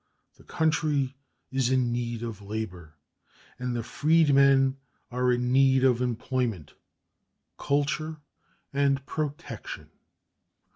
The country is in need of labor, and the freedmen are in need of employment, culture, and protection.